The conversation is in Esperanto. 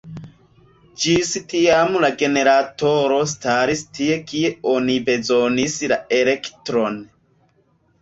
Ĝis tiam la generatoro staris tie kie oni bezonis la elektron.